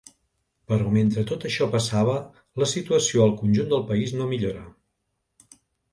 Però mentre tot això passava la situació al conjunt del país no millora.